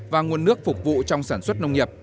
và nguồn nước phục vụ trong sản xuất nông nghiệp